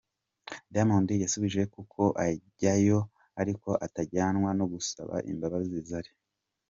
Diamond yasubije ko koko ajyayo ariko atajyanwa no gusaba imbabazi Zari;.